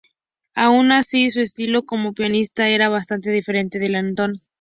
Aun así, su estilo como pianista era bastante diferente al de Antón.